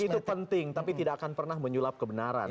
itu penting tapi tidak akan pernah menyulap kebenaran